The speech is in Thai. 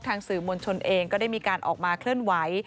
สื่อมวลชนเองก็ได้มีการออกมาเคลื่อนไหว